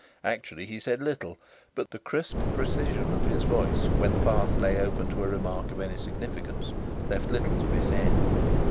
Actually, he said little, but the crisp precision of his voice when the path lay open to a remark of any significance left little to be said.